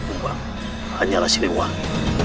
kumbang hanyalah si liwangi